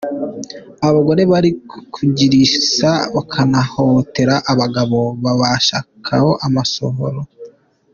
Abagore bari kurigisa bakanahohotera abagabo babashakaho amasohoro